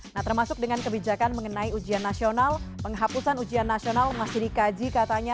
nah termasuk dengan kebijakan mengenai ujian nasional penghapusan ujian nasional masih dikaji katanya